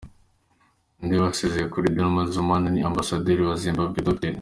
Undi wasezeye kuri Dlamini Zuma ni Ambasaderi wa Zimbabwe Dr.